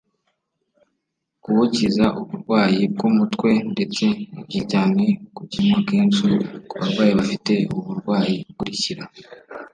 kuwukiza uburwayi bw’umutwe ndetse ni byiza cyane ku kinywa kenshi ku barwayi bafite ubu burwayi bukurikira